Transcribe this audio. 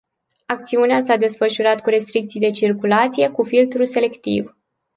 Acțiunea s-a desfășurat cu restricții de circulație, cu filtru selectiv.